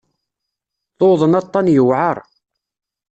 Tuḍen aṭṭan yewεer.